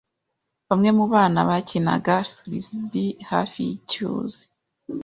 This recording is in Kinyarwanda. Bamwe mu bana bakinaga frisbee hafi yicyuzi.